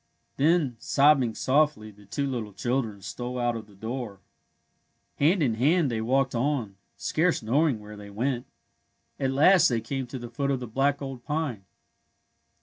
Then, sobbing softly, the two little children stole out of the door. Hand in hand they A CHRISTMAS ROSE 121 walked on, scarce knowing where they went. At last they came to the foot of the black old pine.